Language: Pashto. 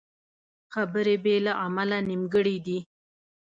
خبرې بې له عمله نیمګړې دي